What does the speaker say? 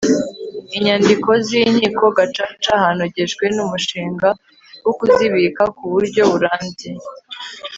inyandiko z'inkiko gacaca hanogejwe umushinga wo kuzibika ku buryo burambye